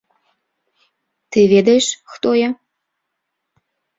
Ты ведаеш, хто я?